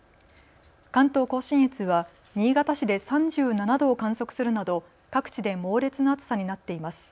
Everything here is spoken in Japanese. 関東甲信越は新潟市で３７度を観測するなど各地で猛烈な暑さになっています。